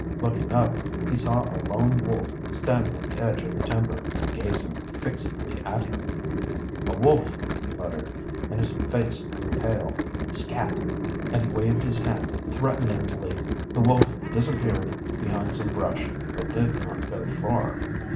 Looking up, he saw a lone wolf standing at the edge of the timber, gazing fixedly at him. "A wolf!" he muttered, and his face grew pale. "Scat!" And he waved his hand threateningly. The wolf disappeared behind some brush, but did not go far.